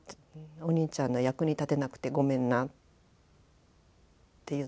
お兄ちゃんの役に立てなくてごめんな」って言って。